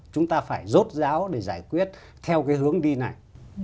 chúng ta phải rốt ráo để giải quyết theo cái hướng đi này